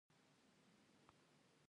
د زابل په شمولزای کې د کرومایټ نښې شته.